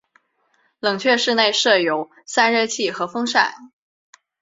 冷却室内设有散热器和风扇。